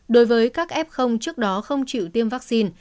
đối với các f trước đó không chịu tiêm vaccine